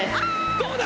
どうだ